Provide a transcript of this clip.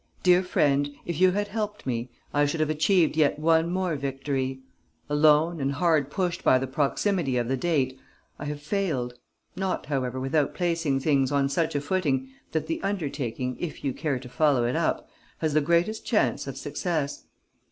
"Dear friend, if you had helped me, I should have achieved yet one more victory. Alone and hard pushed by the proximity of the date, I have failed, not however without placing things on such a footing that the undertaking if you care to follow it up, has the greatest chance of success.